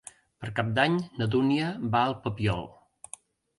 Per Cap d'Any na Dúnia va al Papiol.